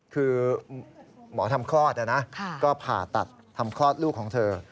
คือหมอทำคลอดนะก็ผ่าตัดทำคลอดลูกของเธอ